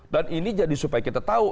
dan ini jadi supaya kita tahu